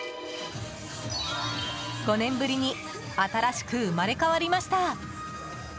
５年ぶりに新しく生まれ変わりました。